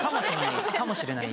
かもしれない